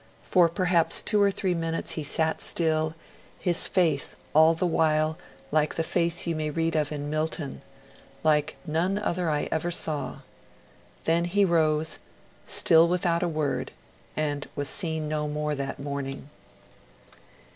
For perhaps two or three minutes he sat still, his face all the while like the face you may read of in Milton like none other I ever saw. Then he rose, still without a word, and was seen no more that morning.'